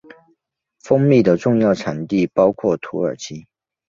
蜂蜜的重要产地包括土耳其。